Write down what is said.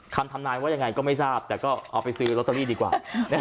ทำทำนายว่ายังไงก็ไม่ทราบแต่ก็เอาไปซื้อลอตเตอรี่ดีกว่า